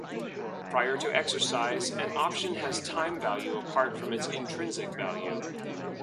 Prior to exercise, an option has time value apart from its intrinsic value.